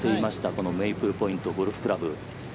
このメイプルポイントゴルフクラブ。